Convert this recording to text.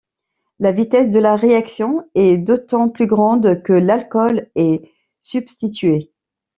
La vitesse de la réaction est d'autant plus grande que l'alcool est substitué.